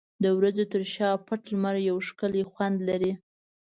د وریځو تر شا پټ لمر یو ښکلی خوند لري.